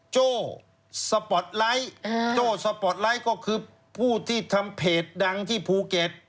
โจ้สปอร์ตไลท์โจ้สปอร์ตไลท์ก็คือผู้ที่ทำเพจดังที่ภูเก็ต